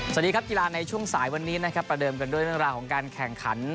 สวัสดีครับกีฬาในช่วงสายวันนี้นะครับประเดิมกันด้วยเรื่องราวของการแข่งขัน